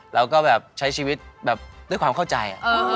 เราก็แบบใช้ชีวิตแบบด้วยความเข้าใจ